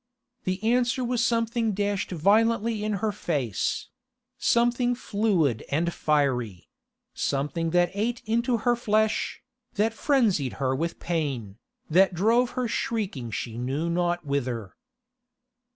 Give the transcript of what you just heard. The answer was something dashed violently in her face—something fluid and fiery—something that ate into her flesh, that frenzied her with pain, that drove her shrieking she knew not whither.